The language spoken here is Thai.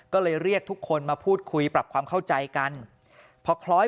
ก็เลยเรียกทุกคนมาพูดคุยปรับความเข้าใจกันพอคล้อย